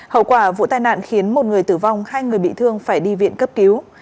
hậu quả vụ tai nạn khiến một người tử vong hai người bị thương phải đi viện cấp cứu